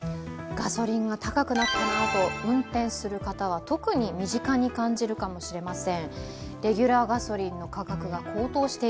ガソリンが高くなったなと運転する方は特に身近に感じるかもしれません。